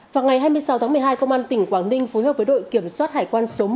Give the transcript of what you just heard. vào ngày hai mươi sáu tháng một mươi hai công an tỉnh quảng ninh phối hợp với đội kiểm soát hải quan số một